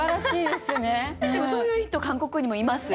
でもそういう人韓国にもいます。